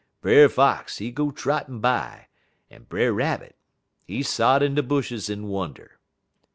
Brer Fox, he go trottin' by, en Brer Rabbit, he sot in de bushes en wunder.